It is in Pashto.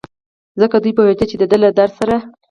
ځکه دی پوهېده چې دده له درد سره.